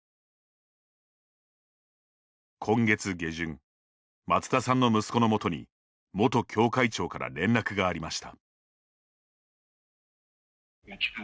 今月下旬松田さんの息子のもとに元教会長から連絡がありました。